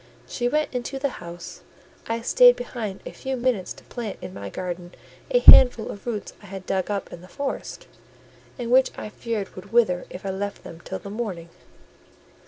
She went into the house; I stayed behind a few minutes to plant in my garden a handful of roots I had dug up in the forest, and which I feared would wither if I left them till the morning.